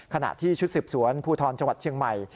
ขณะที่ชุดสืบสวนภูทรจังหวัดเชียงใหม่